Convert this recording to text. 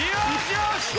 よし！